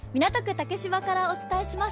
竹芝からお伝えします。